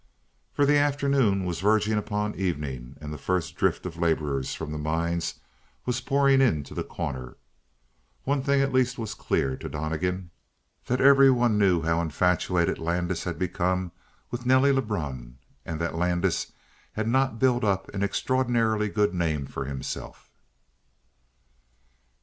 For the afternoon was verging upon evening, and the first drift of laborers from the mines was pouring into The Corner. One thing at least was clear to Donnegan: that everyone knew how infatuated Landis had become with Nelly Lebrun and that Landis had not built up an extraordinarily good name for himself.